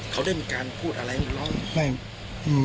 เขาได้มีการพูดอะไรบ้าง